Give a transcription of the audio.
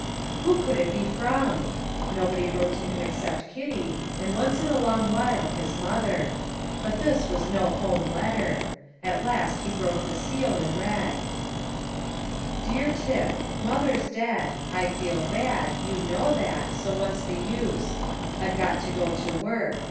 Who could it be from? Nobody wrote to him except Kitty, and once in a long while his mother; but this was no home letter. At last he broke the seal, and read: "DEER TIP, Mother's dead, I feel bad, you kno that, so what's the use? I've got to go to work.